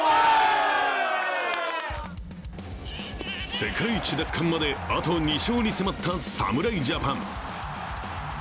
世界一奪還まであと２勝に迫った侍ジャパン。